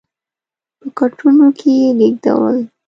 په کټونو کې یې لېږدول.